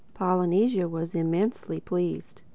Polynesia was immensely pleased.